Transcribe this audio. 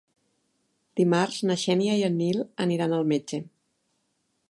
Dimarts na Xènia i en Nil aniran al metge.